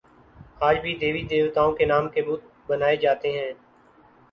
آج بھی دیوی دیوتاؤں کے نام کے بت بنا ئے جاتے ہیں